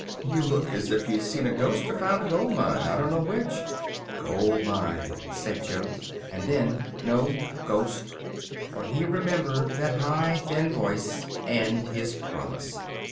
"You look as if you'd seen a ghost or found a gold mine. I don't know which." "Gold mine," said Jo. And then, "No. Ghost." For he remembered that high, thin voice, and his promise.